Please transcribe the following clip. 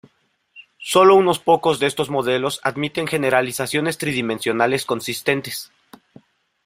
Sólo unos pocos de estos modelos admiten generalizaciones tridimensionales consistentes.